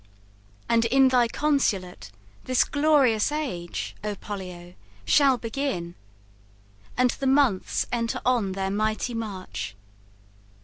And in thy consulate, This glorious age, O Pollio, shall begin, And the months enter on their mighty march.